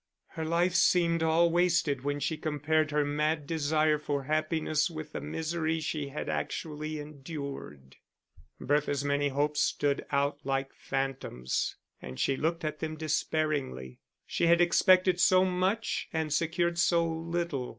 Her life seemed all wasted when she compared her mad desire for happiness with the misery she had actually endured. Bertha's many hopes stood out like phantoms, and she looked at them despairingly. She had expected so much and secured so little.